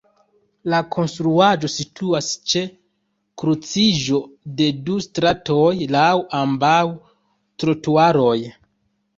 La konstruaĵo situas ĉe kruciĝo de du stratoj laŭ ambaŭ trotuaroj.